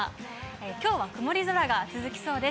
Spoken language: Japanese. きょうは曇り空が続きそうです。